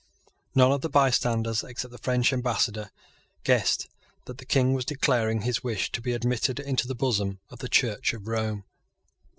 None of the bystanders, except the French Ambassador, guessed that the King was declaring his wish to be admitted into the bosom of the Church of Rome.